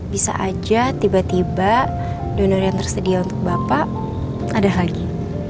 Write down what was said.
bisa aja tiba tiba donor yang tersedia untuk bapak ada lagi